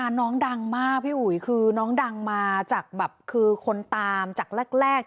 น้องดังมากพี่อุ๋ยคือน้องดังมาจากแบบคือคนตามจากแรก